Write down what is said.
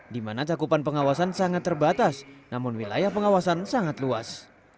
di mana cakupan pengawasan sangat terbatas namun wilayah pengawasan sangat luas